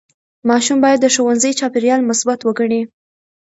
ماشوم باید د ښوونځي چاپېریال مثبت وګڼي.